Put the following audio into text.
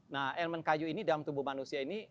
nah elemen kayu ini dalam tubuh manusia ini